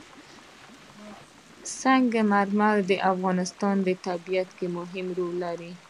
سنگ مرمر د افغانستان په طبیعت کې مهم رول لري.